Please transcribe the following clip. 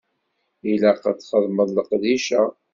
Ilaq ad txedmeḍ leqdic-a.